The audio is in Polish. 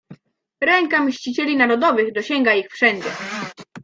"Ręka mścicieli narodowych dosięga ich wszędzie."